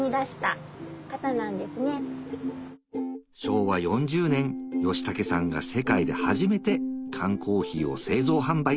昭和４０年義武さんが世界で初めて缶コーヒーを製造販売